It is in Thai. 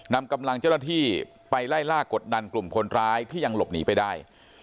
นำกำลังเจ้าหน้าที่ไปไล่ล่ากดดันกลุ่มคนร้ายที่ยังหลบหนีไปได้